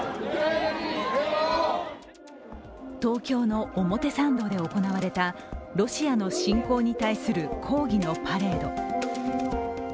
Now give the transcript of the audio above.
東京の表参道で行われたロシアの侵攻に対する抗議のパレード。